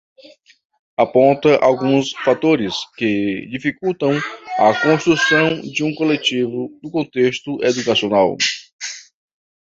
aponta alguns fatores que dificultam a construção de um coletivo, no contexto educacional